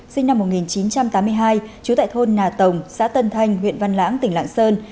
sinh năm một nghìn chín trăm tám mươi hai trú tại thôn nà tổng xã tân thanh huyện văn lãng tỉnh lạng sơn